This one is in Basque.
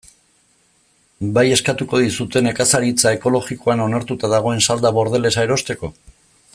Bai eskatuko dizute nekazaritza ekologikoan onartuta dagoen salda bordelesa erosteko?